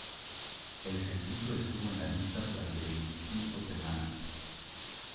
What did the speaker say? El sencillo estuvo en la lista durante veinticinco semanas.